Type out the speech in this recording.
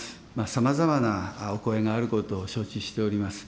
さまざまなお答えがあることを承知しております。